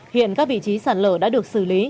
hiện các vị trí sạt lở đã được xử lý